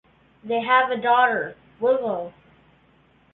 They have a daughter, Willow.